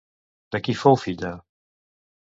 De qui fou filla?